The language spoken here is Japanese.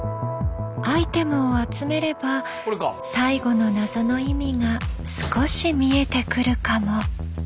アイテムを集めれば最後の謎の意味が少し見えてくるかも。